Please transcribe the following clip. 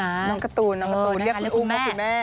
น้องการ์ตูนเรียกคุณอุ้มว่าคุณแม่